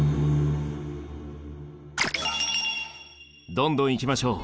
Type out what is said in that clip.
どんどん行きましょう。